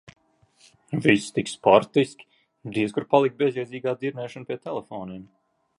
Visi tik sportiski, diez kur palika bezjēdzīgā dirnēšana pie telefoniem.